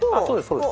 そうです。